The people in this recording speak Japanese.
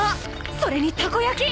それにたこ焼き！